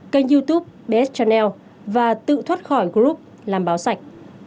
kênh youtube bs chanel và tự thoát khỏi group làm báo sạch